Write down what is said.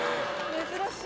珍しい。